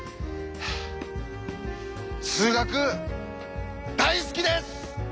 数学大好きです！